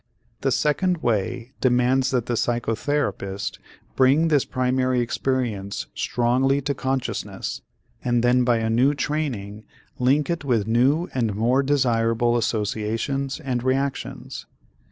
This second way demands that the psychotherapist bring this primary experience strongly to consciousness and then by a new training link it with new and more desirable associations and reactions.